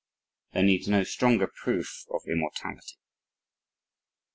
There needs no stronger proof of immortality."